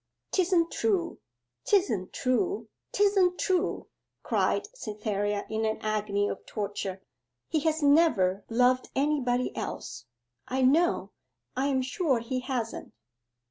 ''Tisn't true! 'tisn't true! 'tisn't true!' cried Cytherea in an agony of torture. 'He has never loved anybody else, I know I am sure he hasn't.